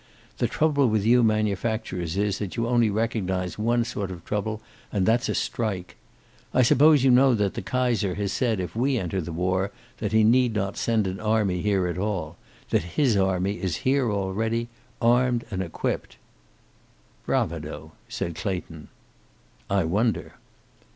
The trouble with you manufacturers is that you only recognize one sort of trouble, and that's a strike. I suppose you know that the Kaiser has said, if we enter the war, that he need not send an army here at all. That his army is here already, armed and equipped." "Bravado," said Clayton. "I wonder!"